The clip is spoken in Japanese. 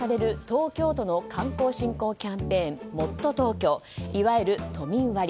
東京都の観光振興キャンペーンもっとＴｏｋｙｏいわゆる都民割。